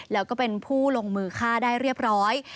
แล้วก็เป็นผู้ลงมือฆ่าได้เรียบร้อย